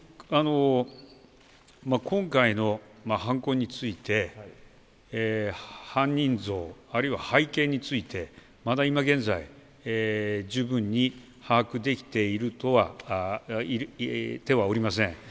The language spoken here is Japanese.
今回の犯行について犯人像、あるいは背景についてまだ今現在十分に把握できているとは言えません。